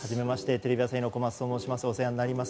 テレビ朝日の小松と申します。